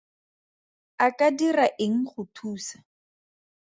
A ka dira eng go thusa?